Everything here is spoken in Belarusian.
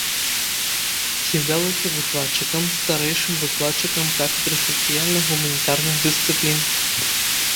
З'яўлялася выкладчыкам, старэйшым выкладчыкам кафедры сацыяльна-гуманітарных дысцыплін.